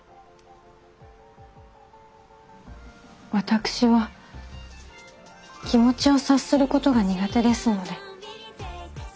私は気持ちを察することが苦手ですので。